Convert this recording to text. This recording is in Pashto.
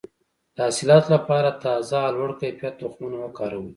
د حاصلاتو لپاره تازه او لوړ کیفیت تخمونه وکاروئ.